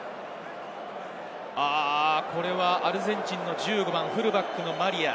これはアルゼンチンの１５番、フルバックのマリア。